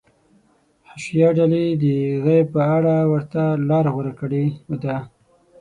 حشویه ډلې د غیب په اړه ورته لاره غوره کړې ده.